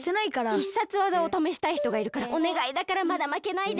必殺技をためしたいひとがいるからおねがいだからまだまけないで。